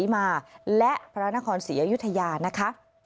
นครราชสิมาและพระนครศรีออยุธยานะคะ